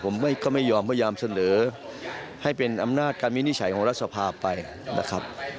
ไม่มีใครพอใจครับ